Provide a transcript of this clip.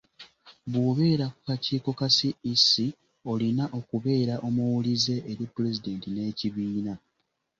Bw'obeera ku kakiiko ka CEC, olina okubeera omuwulize eri Pulezidenti n’ekibiina.